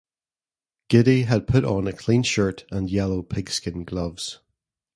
Giddy had put on a clean shirt and yellow pigskin gloves.